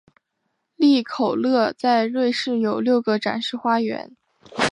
利口乐在瑞士有六个展示花园。